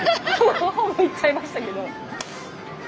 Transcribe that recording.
ほぼ言っちゃいましたけど。